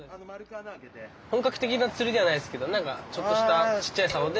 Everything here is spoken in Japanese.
本格的な釣りではないですけど何かちょっとしたちっちゃいさおで。